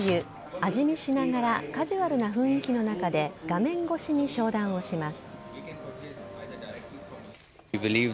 味見しながらカジュアルな雰囲気の中で、画面越しに商談をします。